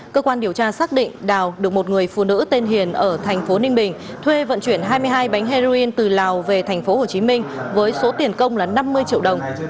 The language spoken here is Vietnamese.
cơ quan điều tra xác định đào được một người phụ nữ tên hiền ở thành phố ninh bình thuê vận chuyển hai mươi hai bánh heroin từ lào về tp hcm với số tiền công là năm mươi triệu đồng